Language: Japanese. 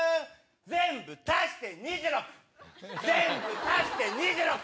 全部足して２６、全部足して２６。